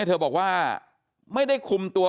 เธอบอกว่าไม่ได้คุมตัว